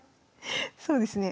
そうですね。